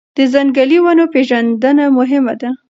د ځنګلي ونو پېژندنه مهمه ده.